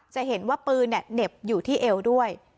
จะเห็นว่าปืนเหน็บอยู่ที่เอวด้วย